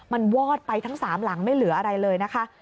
มันวอดไปทั้ง๓หลังไม่เหลืออะไรเลยนะคะ